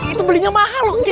itu belinya mahal loh nggak